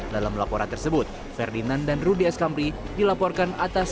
dalam laporan tersebut ferdinand dan rudi eskamri dilaporkan atas